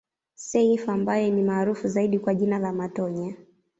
Seif ambaye ni maarufu zaidi kwa jina la Matonya